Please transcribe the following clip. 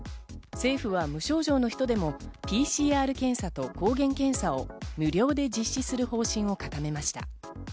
政府は無症状の人でもＰＣＲ検査と抗原検査を無料で実施する方針を固めました。